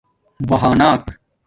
بہانآک